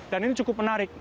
dan ini cukup menarik